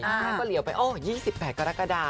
ไอค์ก็เหลี่ยวไปโอ้ย๒๘กรกฎา